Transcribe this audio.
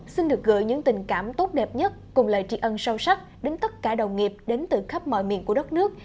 xin được gửi những tình cảm tốt đẹp nhất cùng lời tri ân sâu sắc đến tất cả đồng nghiệp đến từ khắp mọi miền của đất nước